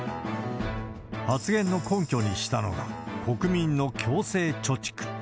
発言の根拠にしたのが、国民の強制貯蓄。